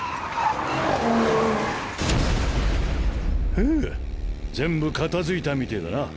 フゥ全部片付いたみてぇだな。